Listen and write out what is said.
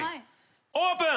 オープン。